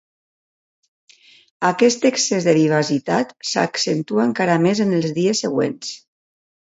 Aquest excés de vivacitat s'accentua encara més en els dies següents.